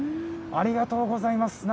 ありがとうございます。